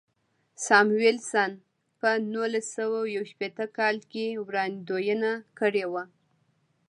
ساموېلسن په نولس سوه یو شپېته کال کې وړاندوینه کړې وه.